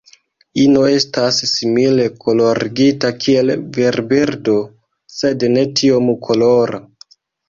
Ino estas simile kolorigita kiel virbirdo, sed ne tiom kolora.